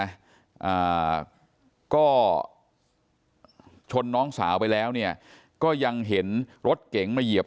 อ่าก็ชนน้องสาวไปแล้วเนี่ยก็ยังเห็นรถเก๋งมาเหยียบ